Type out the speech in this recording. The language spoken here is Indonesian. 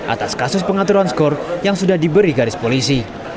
atas kasus pengaturan skor yang sudah diberi garis polisi